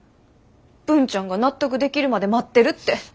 文ちゃんが納得できるまで待ってるって。